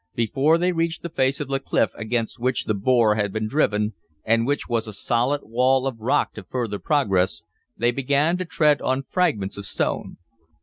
Before they reached the face of the cliff against which the bore had been driven, and which was as a solid wall of rock to further progress, they began to tread on fragments of stone.